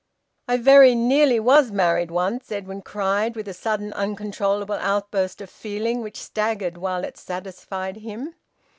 "I very nearly was married once!" Edwin cried, with a sudden uncontrollable outburst of feeling which staggered while it satisfied him.